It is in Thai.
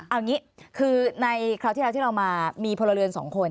เอางี้คือในคราวที่เรามามีพลเรือนสองคน